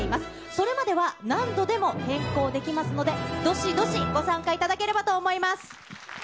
それまでは何度でも変更できますので、どしどしご参加いただければと思います。